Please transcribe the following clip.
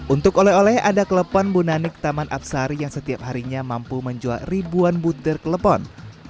untuk oleh oleh ada klepon bunanik taman absari yang setiap harinya mampu menjual ribuan butir kelepon